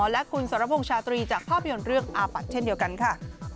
และคุณสรพงษ์ชาตรีจากภาพยนตร์เรื่องอาปัดเช่นเดียวกันค่ะ